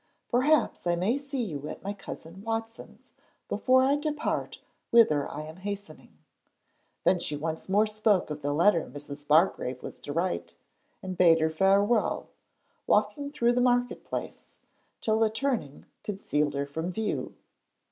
Perhaps I may see you at my cousin Watson's before I depart whither I am hastening.' Then she once more spoke of the letter Mrs. Bargrave was to write, and bade her farewell, walking through the market place, till a turning concealed her from view.